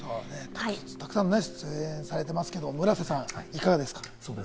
たくさん出演されていますけれども、村瀬さん、いかがですか？